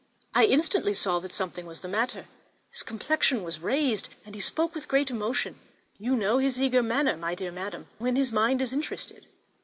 I instantly saw that something was the matter; his complexion was raised, and he spoke with great emotion; you know his eager manner, my dear mother, when his mind is interested.